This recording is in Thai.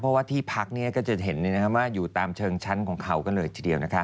เพราะว่าที่พักก็จะเห็นว่าอยู่ตามเชิงชั้นของเขาก็เลยทีเดียวนะคะ